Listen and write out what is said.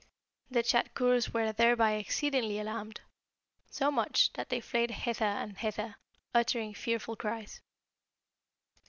The Tschadkurrs were thereby exceedingly alarmed; so much that they fled hither and thither uttering fearful cries.